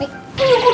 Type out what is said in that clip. ini kutuk kutuk ini